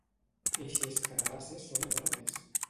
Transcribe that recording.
Eixes carabasses són enormes!